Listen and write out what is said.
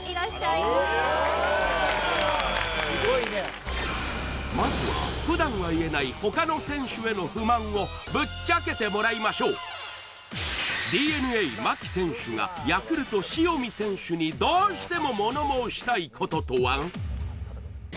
スゴいねまずは普段は言えない他の選手への不満をぶっちゃけてもらいましょうＤｅＮＡ・牧選手がヤクルト・塩見選手にどうしても物申したいこととは？